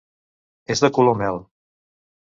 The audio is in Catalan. És de color mel.